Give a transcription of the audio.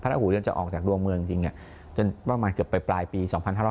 หูยันจะออกจากดวงเมืองจริงจนประมาณเกือบไปปลายปี๒๕๕๙